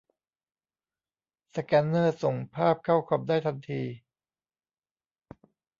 สแกนเนอร์ส่งภาพเข้าคอมได้ทันที